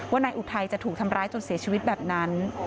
นายอุทัยจะถูกทำร้ายจนเสียชีวิตแบบนั้น